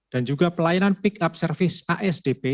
dan juga pelayanan pick up service asdp